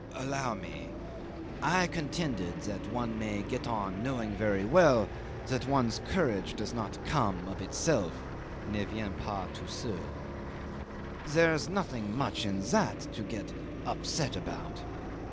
"Allow me ... I contended that one may get on knowing very well that one's courage does not come of itself (ne vient pas tout seul). There's nothing much in that to get upset about.